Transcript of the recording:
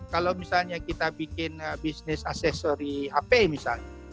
kalau misalnya kita bikin bisnis aksesori hp misalnya